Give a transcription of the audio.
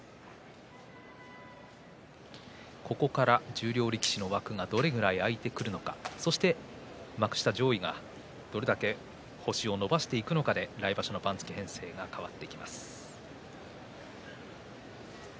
ここから十両力士の枠がどのぐらい空くのかそして幕下上位がどれだけ星を伸ばしていくのかで来場所の番付編成が変わっていきます。